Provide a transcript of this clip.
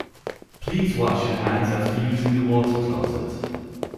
Please wash your hands after using the water closet.